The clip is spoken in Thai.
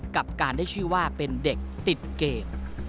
กับการได้ชื่อว่าเป็นเด็กติดเกม